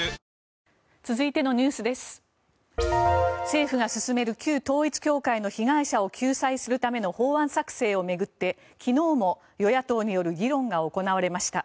政府が進める旧統一教会の被害者を救済するための法案作成を巡って昨日も与野党による議論が行われました。